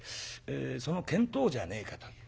その見当じゃねえかという。